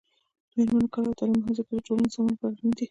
د میرمنو کار او تعلیم مهم دی ځکه چې ټولنې سمون لپاره اړین دی.